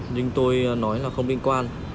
nhưng tôi nói là không liên quan